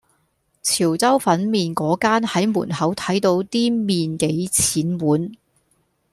潮州粉麵果間係門口睇到啲麵幾錢碗